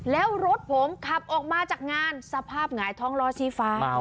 แล้วรถผมขับออกมาจากงานสภาพหงายท้องล้อชี้ฟ้า